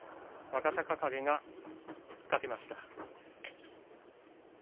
若隆景が突っかけました。